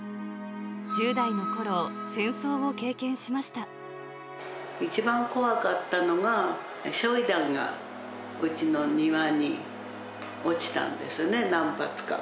１０代のころ、戦争を経験しまし一番怖かったのが、焼い弾がうちの庭に落ちたんですね、何発か。